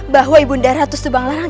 bahwa ibu darah atau sebuah melarang